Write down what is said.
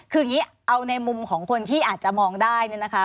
คืออย่างนี้เอาในมุมของคนที่อาจจะมองได้เนี่ยนะคะ